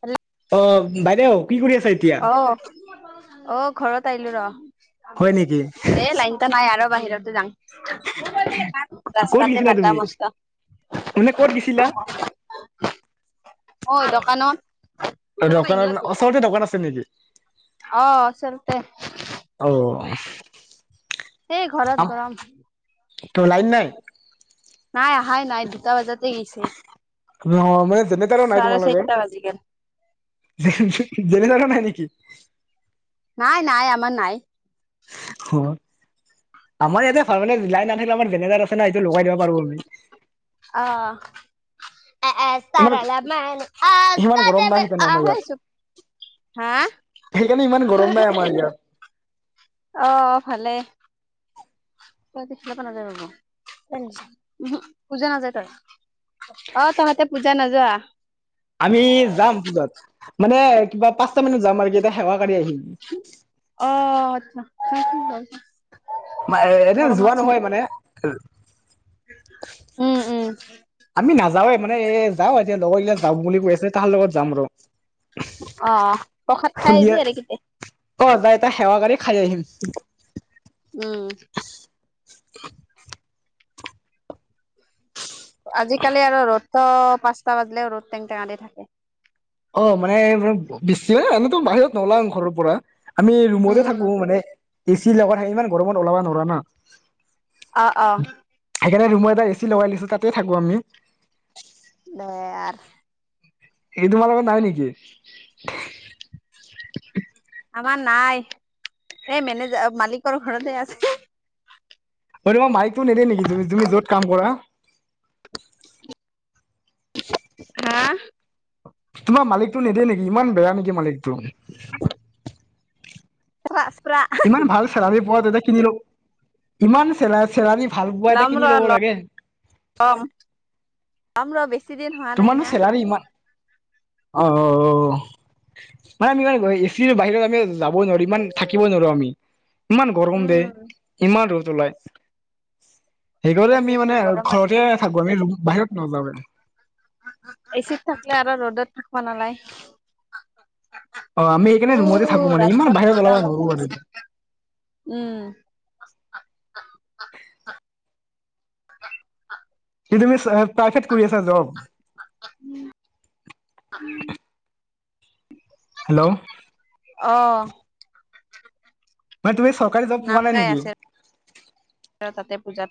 হেল অ বাইদেউ কি কৰি আছে এতিয়া? অ', অ ঘৰত আহিলো ৰ, হয় নেকি? এ লাইনটা নাই আৰু বাহিৰতো যাং। ক'ত ৰাস্তাতে গৈছিলা বাটা তুমি মস্ত মানে ক'ত গিছিলা? মই দোকানত। দোকানত ওচৰতে দোকান আছে নেকি? আহ ওচৰতে। অ এই ঘৰত গৰম। ত লাইন নাই। নাই অহাই নাই দুটা বজাতে গিছে। মানে জেনেৰেতাৰো নাই তোমালোকৰ। বাজি গেল। জেনেৰেতাৰৰ নাই নেকি? নাই নাই আমাৰ নাই। অ আমাৰ ইয়াতে ভাল মানে লাইন নাথাকিলে আমাৰ জেনেৰেতাৰ আছে না সেইটো লগাই দিব পাৰোঁ আমি। আহ ইমান তাৰ ল ম ইমান গৰম নাই সেইকাৰণে আমাৰ ইয়াত আহিছোঁ [unintelligible] সেইকাৰণে ইমান গৰম নাই আমাৰ ইয়াত অঁ ভালে। তাহতি ফিলৰ পৰা নাযায় ৰবি পূজা নাযাৱ তই অঁ তহঁতে পূজা নোযোৱা আমি যাম পূজাত মানে কিবা পাঁচটা মানত যাম আৰু কি শেষত অঁ আচছা কিছু মইএ এনে যোৱা নহয় মানে। উম উম। আমি নাযাওৱে মানে যাওঁ এতিয়া লগৰ বিলাক যাম বুলি কৈ আছিলে তাৰ লগত যাম আৰু অঁ প্ৰসাদ খাই আহিবি আৰু কেতিয়া ক তাতে সেৱা কৰি খাই আহিম উম। আজিকালি আৰু ৰ'দটো পাঁচটা বাজিলে ৰ'দ টেং টেঙাদি থাকে অঁ মানে বেছি মানে জানো বাহিৰত নোলাও ঘৰৰ পৰা আমি ৰুমতে উম থাকো মানে এ চিৰ লগত থাকি ইমান গৰমত ওলাবা নোৱাৰোঁ ন অ', অ', সেইকাৰণে ৰুমৰ এটা এ চি লগাই দিছো তাতে থাকো‍ঁ আমি দহয় [unintelligible] আৰ এই তোমাৰ লগত নাই নেকি আমাৰ নাই এই মেনেজাৰ মালিকৰ ঘৰতে আছে অ তোমাৰ মাই কটো নিদে নেকি তুমি য'ত কাম কৰা উ [inaudible] হাঁ। তোমাৰ মালিকটো নিদিয়ে নেকি ইমান বেয়া নেকি মালিকটো। অঁ ইমান ভাল চেলাৰী আমি পোৱা তু কিনিলো। ইমান চেলা চেলাৰী ভাল পোৱা এটা ল'ম ৰ কিনি লব লাগে। এক্সিডেণ্ট হোৱা নাই না। অঁ মাই আমি এচি বাহিৰত আমি। যাব নোৱাৰোঁ ইমান থাকিব নোৱাৰো আমি। ইমান গৰম দে উম ইমান ৰদ ওলায়। সেইকাৰণে আমি তাকেতো মানে গৰমৰ ঘৰতে দিনত থাকো আমিত বাহিৰত নোলাওঁ এচিত থাকিলে আৰু ৰ'দত থাকিব অ আমি নালাগে। উ সেইকাৰণে ৰুমতে থাকো মানে ইমান ৰাস্তত বাহিৰত ওলাব মজা নোৱাৰো বতাহ মানে আছে। উম। অঁ অঁ। কি তুমি প্ৰাইভেট কৰি আছা জব। হেল্ল' অঁ। মানে তুমি চৰকাৰী জব পোৱা নাম নাই গাই আছে ৰ নেকি? তাতে পূজাত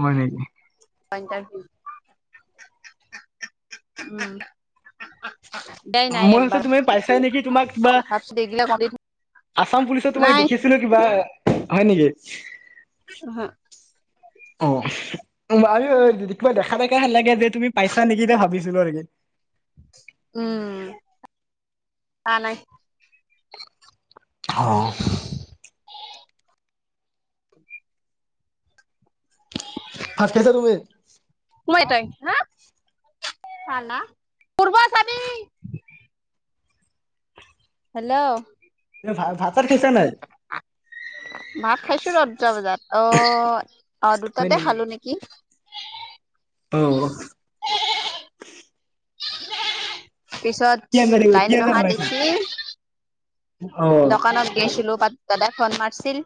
হয় নেকি। পাইছে। মোৰ আছে তুমি পাইছা নেকি তোমাক কিবা তাৰপিছত এইগিলা কৰি আছাম পুলিচত তোমাক নাই দেখিছিলো কিবা হয় নেকি হ অঁ। আৰু কিবা দেখা দেখা হে লাগে যে তুমি পাইছা নেকি ভাবিছিলো নেকি উম নাই নাই। আহঁ। ভাত খাইছা তুমি। না চ ন প চাবি [unintelligible] হেল্ল' তুমি ভা ভাত চাট খাইছা নাই? কিবা দুটা বজাত অ অ হয় দুটাতে খালো নেকি। অ [unintelligible] পিছত কি আঞ্জা দি লাইন কি আঞ্জা নহা বনাইছা? দেখি অ', দোকানত গৈছিলো বা দাদাই ফোন মাৰছিল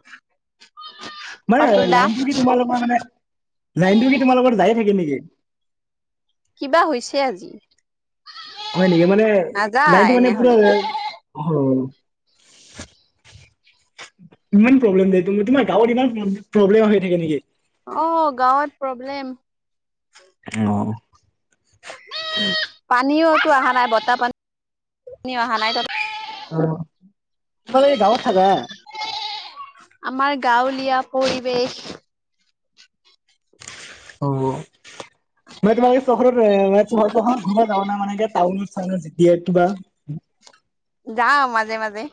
মানে পাতুল দা লাইনটো কি তোমালোকৰ মানে লাইনত কি তোমালোকৰ যায় থাকে নেকি? কিবা হৈছে আজি হয় নেকি মানে লাইনটো নাযায় মানে পুৰা এনেহলে [inaudible] ইমান প্ৰব্লেম দিয়ে তোমাৰ গাঁৱত ইমান প্ৰব্লেম হৈ থাকে নেকি? অ গাঁৱত প্ৰব্লেম অ পানীওতো অহা নাই বতাহ পানী পানীও অহা নাই তাত তোমালোকে গাঁৱত থাকা? আমাৰ গাঁৱলীয়া পৰিৱেশ অ মানে তোমাৰ চহৰ চহৰত [unintelligible] ঘুৰবা যাব না [unintelligible] টাউনৰ চা যেতিয়া কিবা যাওঁ মাজে মাজে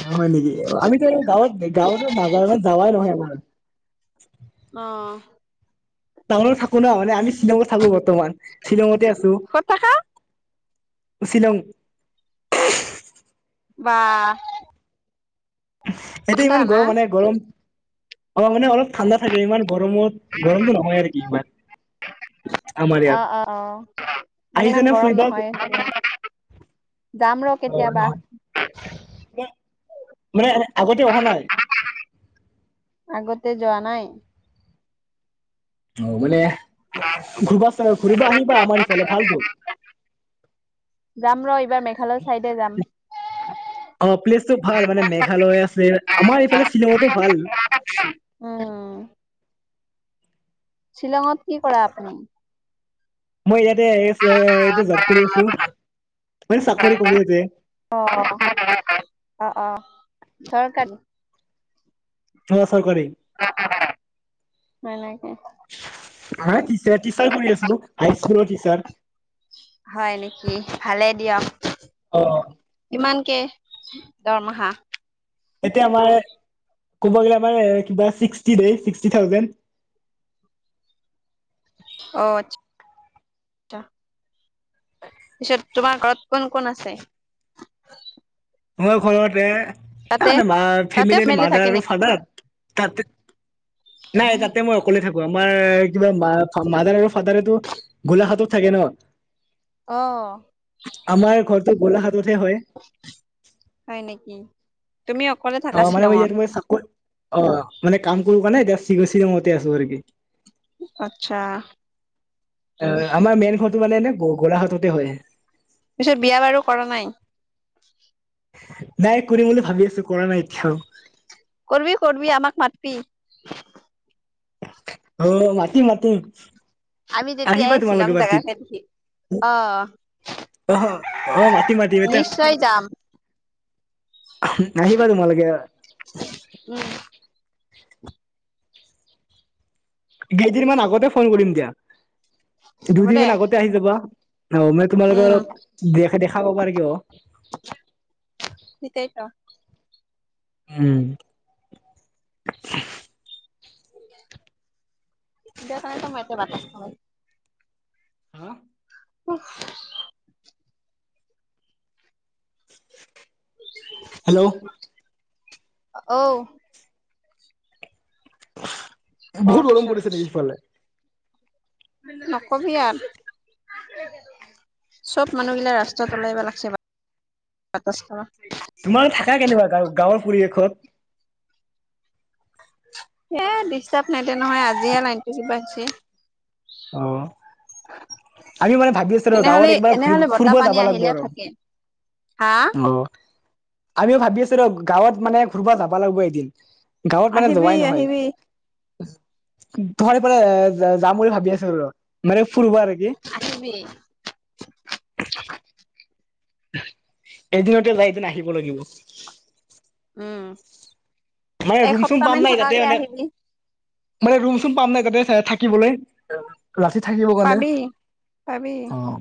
ন হয় নেকি আমিতো গাঁৱত গাঁৱত নাযা যাৱাই নহয় আমাৰ। অহ। টাউনত থাকো ন মানে আমি শ্বিলঙত থাকো বৰ্তমান শ্বিলঙতে আছো। ক'ত থাকা শ্বিলং। বা। সেটি ঠাণ্ডা ইমান না? গৰম মানে গৰম অ মানে অলপ ঠাণ্ডা থাকে ইমান গৰমত গৰমটো নহয় আৰু কি ইমান। আমাৰ অ ইয়াত অ অ মানে আহিছে ইমান নে গৰম ফুৰিব অ নহয়। যাম ৰ কেতিয়াবা। নহয় মানে আগতে অহা নাই। আগতে যোৱা নাই। অ মানে। ঘূৰিবা চাগ ঘূৰিবা আহিবা আমাৰ ইফালে ভালটো। যাম ৰ এইবাৰ মেঘালয় চাইডে যাম। অ প্লেচটো ভাল মানে মেঘালয় আছে আমাৰ এইফালে চিলংটো ভাল। উম। [inaudible] শ্বিলঙত কি কৰা আপুনি। মই ইয়াত। তে এ চে এইটো জ্বব কৰি আছো মানে চাকৰি কৰে যে অ অ অ চৰকাৰী। অ চৰকাৰী নাই নাইকে। হ টিচাৰ টিচাৰ কৰি আছো হাইস্কুলৰ টিচাৰ। দতিয়া। অ। কিমানকে দৰমহা। এতিয়া আমাৰ ক'ব গলে আমাৰ কিবা চিক্সটি দে চিক্সটি থাউজেন্ড। [inaudible] অ আট--চা পিছত তোমাৰ ঘৰত কোন কোন আছে? মই তাতে ঘৰতোনে মা তাতে ফেমিলি থাকে মাদাৰ আৰু নেকি? ফাদাৰ তাতে। নাই তাতে মই অকলে থাকো আৰু। আমাৰ কিবা মা মাদাৰ আৰু ফাদাৰো গোলাঘাটত থাকে ন। অ আমাৰ ঘৰটো গোলাঘাটতহে হয়। হয় নেকি। তুমি অকলে থাকা অঁ মানে মই শ্বিলঙত ইয়াত মই চাকৰি অ মানে কাম কৰো কাৰণে এতিয়া চিগ চি মতে আছো আৰুকি। আচ্ছা আমাৰ মেনখন। টো মানে এনে গোলাঘততে হয়। পিছত বিয়া বাৰু কৰা নাই। নাই কৰিম বুলি ভাবি আছো কৰা নাই এতিয়াও। কৰবি কৰবি আমাক মাতবি। অঁ মাটিম মটিম। আমি যেতিয়াই শ্বিলং জেগা খে দেখি অঁ আঁহ আঁহ মাটি মাটিম। যাম আহিবা তোমালোকে। উম কেইদিন মান আগতে ফোন কৰিম দিয়া হ'ব দুদিন দে মান আগতে আহি যাবা। অঁ মই তোমালোকে উম অলপ দে দেখাব পাৰে আকৌ। সেইতোৱেই তো। উম। দেখান তো মেট বাত খাই। হাঁ! উম। হেল্ল'। ঔ! কৰ বহুত গৰম পিছত পৰিছে নেকি সিফালে? নকবি আৰু! চব মানুহবিলাক ৰাস্তাত ওলাই আহিবা লাগছে বাত খ তোমাৰ থাকা কেনেকুৱা গ গাঁৱৰ পৰিৱেশত? সেই ডিষ্টাৰ্ব নাই তে নহয় আজিয়ে লাইনটো কিবা হৈছে। অঁ! আমি মানে ভাবি আছো ৰ এনেহলে গাঁৱত একবাৰ ফুৰি এনেহলে বতাহ ফুৰিব পানী যাব আহিলে লাগিব আৰু। থাকে হা অঁ আমিওঁ ভাবি আছো ৰ গাঁৱত মানে ফুৰিব যাব লাগিব এদিন গাঁৱত মানে আহিবি যোৱাই নহয়। আহিবি তোমাৰ পৰে যাম বুলি ভাবি আছো ৰ মানে। ফুৰিব আৰু কি? আহিবি এদিনতে যাই এদিন আহিব লাগিব। উম। মই ৰুম চুম এসপ্তাহ পাম মান নাই তাতে থকাকে মানে। আহিবি মানে ৰুম চুম পাম নাই তাতে থাকিবলৈ? ৰাতি থাকিব কাৰণে পাবি পাবি অঁ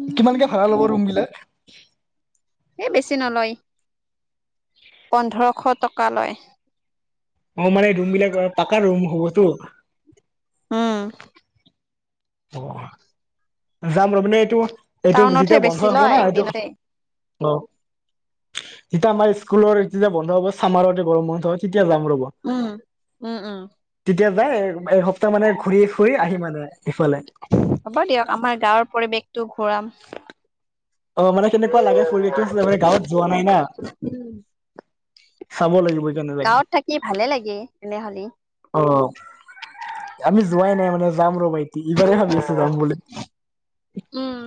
উম কিমানকে ভাড়া ল'ব ৰুম বিলাক? এ বেছি নলয়! পোন্ধৰশ টকা লয়। অঁ মানে ৰুম বিলাক পাক ৰুম হ'বতো। উম। অঁ। যাম ৰ মানে এইটো এইটো টাউনতহে যেতিয়া বন্ধ বেছি হ'ব লয় না এইটোৱেই একদিনতে অঁ তেতিয়া আমাৰ স্কুলৰ যেতিয়া বন্ধ হ'ব ছামাৰতে গৰম বন্ধ হয়। উম উম উম। এতিয়া যায় এসপ্তাহ মানে ঘূৰি ফুৰি আহি মানে ইফালে। হ'ব দিয়ক আমাৰ গাঁৱৰ পৰিৱেশটো ঘূৰাম। অ' মানে কেনেকুৱা লাগে পৰিবেশটো [unintelligible] মানে গাঁৱত যোৱা নাই না। চাব লাগিব এতিয়া নেযাই। গাঁৱত থাকি ভালে লাগে তেনেহ'লে অ' আমি যোৱাই নাই যাম ৰ বাইতি ইবাৰে ভাবি আছো যাম বুলি। উম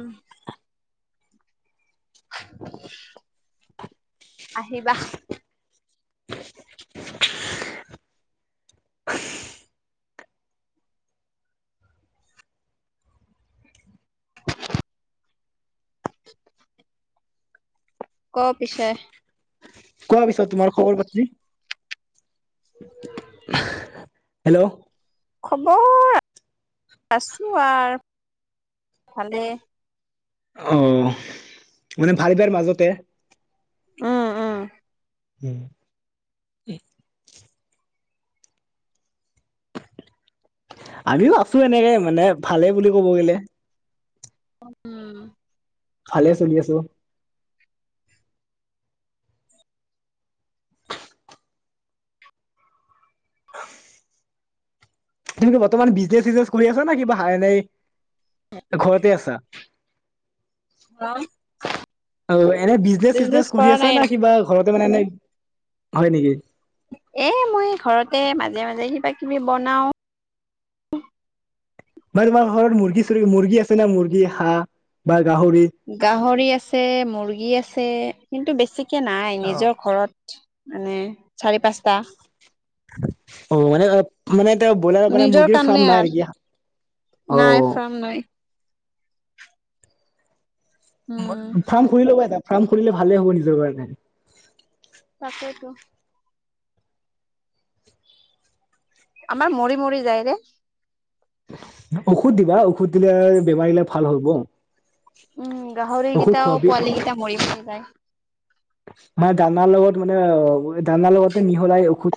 আহিবা। [inaudible] ক পিছে? কোৱা পিছত তোমাৰ খবৰ পাতি? হেল্ল'! খবৰ আছো আৰ ভালে। অহ, মানে ভাল বেয়াৰ মাজতে। উম উম। উম। আমিও আছো এনেকে মানে ভালে বুলি ক'ব গে'লে। উম। ভালে চলি আছোঁ। তুমিতো বৰ্তমান বিজনেচ চিজনেচ কৰি আছা না কিবা হা এনেই ঘৰতে আছা? অ' এনে বিজনেচ বিজনেছ চিজনেচ কৰি কৰা আছো নাই ন না কিবা ঘৰত মানে এনে, হয় নেকি? এ মই ঘৰতে মাজে মাজে কিবা কিবি বনাও। বা তোমাৰ ঘৰত মুৰ্গী চুৰ্গী মুৰ্গী আছে না মুৰ্গী হাঁহ বা গাহৰি? গাহৰি আছে, মুৰ্গী আছে কিন্তু বেছিক কে নাই অ'। নিজৰ ঘৰত মানে চাৰি পাঁচটা। [unintelligible] বইলাৰৰ মানে নিজৰ মুৰ্গীৰ ফ্ৰাম কাৰণে নাই আৰু আৰকি, ‌ অও। নাই ফাৰ্ম নাই উম ফ্ৰাম খুলি ল'বা এটা। ফ্ৰাম খুলিলে ভালে হ'ব নিজৰ কাৰণে। তাকেইতো। আমাৰ মৰি মৰি যায় ৰে। ঔষুধ দিবা ঔষুধ দিলে বেমাৰ গিলা ভাল হ'ব। উম, গাহৰি ঔষধ গিতাও খোৱাবি পোৱালি গিতা মৰি মৰি যায়। মানে দানাৰ লগত মানে অ দানাৰ লগতে মিহলাই ঔষুধ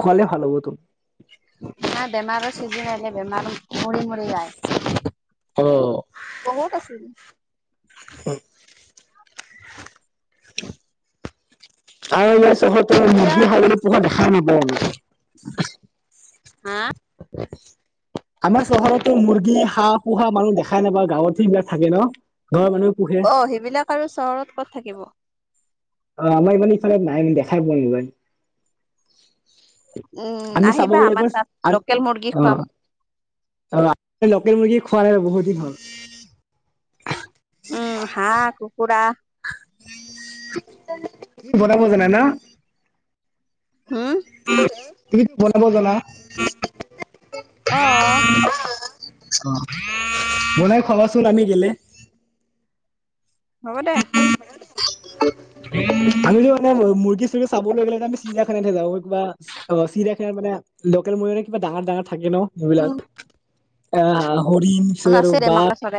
খোৱালে ভাল হবটো। না বেমাৰৰ চিজিন আইলে বেমাৰ মৰি মৰি যায়। অ বহুত আছিল। [unintelligible] [inaudible] [unintelligible] তহঁতৰ এতিয়া মুৰ্গী [unintelligible] পোহা দেখা নাপাওঁ আমি। হা আমাৰ চহৰতো মুৰ্গী, হাঁহ পুহা মানুহ দেখাই নাপাওঁ, গাঁৱতহে এইবিলাক থাকে ন? গাঁৱৰ মানুহে পোহে অ' সেইবিলাক আৰু চহৰত ক'ত থাকিব! অ' আমাৰ মানে ইফালে নাই দেখাই পোৱা নাযায়। উম আমি চাব আহিবা গলে আমাৰ একবাৰ তাত আমি লোকেল মুৰ্গী খুৱাম অ'। [unintelligible] লোকেল মুৰ্গী খোৱা নাই ৰ বহুত দিন হল। উম হাঁহ, কুকুৰা বনাব জানা না? হম? তুমিতো বনাব জানা? অ'। অ বনাই খুৱাবাচোন আমি গেলি। হ'ব দে। আমিটো মুৰ্গী-চুৰ্গী চাবলৈ গলে আমি চিৰিয়াখানাতহে যাওঁ কিবা চিৰিয়াখানাত মানে লোকেল মুৰ্গী কিমান ডাঙৰ-ডাঙৰ থাকে ন সেইবিলাক, আহ হৰিণ, আমাৰ চিঞৰ আছে দে বাঘ মাকা চৰাই